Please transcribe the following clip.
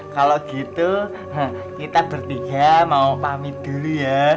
kalau gitu kita bertiga mau pamit dulu ya